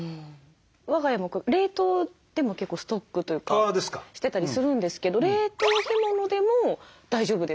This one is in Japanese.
我が家も冷凍でも結構ストックというかしてたりするんですけど冷凍干物でも大丈夫ですか？